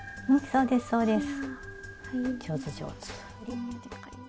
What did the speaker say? そうですそうです。